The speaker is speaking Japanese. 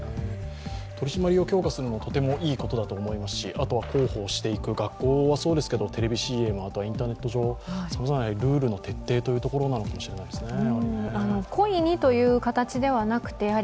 取り締まりを強化するのはとてもいいことだと思いますし、あとは広報していく、学校はそうですけどテレビＣＭあとはインターネット上、さまざまなルールの徹底というところなのかもしれないですね。